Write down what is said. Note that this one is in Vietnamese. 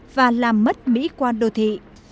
và làm mất mỹ quan đô thị